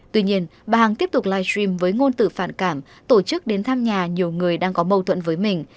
tuy nhiên bà hằng tiếp tục live stream với ngôn tử phản cảm tổ chức đến thăm nhà nhiều người đang có mâu thuẫn với mình